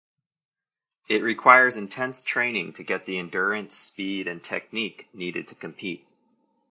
It requires intense training to get the endurance, speed and technique needed to compete.